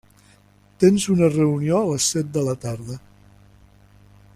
Tens una reunió a les set de la tarda.